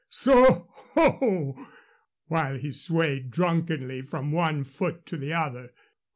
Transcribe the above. soho!" while he swayed drunkenly from one foot to the other.